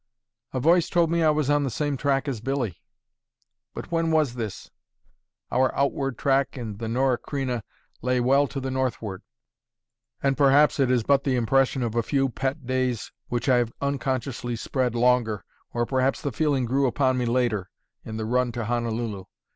A voice told me I was on the same track as Billy. But when was this? Our outward track in the Norah Creina lay well to the northward; and perhaps it is but the impression of a few pet days which I have unconsciously spread longer, or perhaps the feeling grew upon me later, in the run to Honolulu.